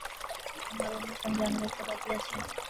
নরেনের সঙ্গে আমার একটা বাজি আছে।